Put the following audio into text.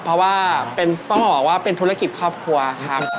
เพราะว่าต้องบอกว่าเป็นธุรกิจครอบครัวครับ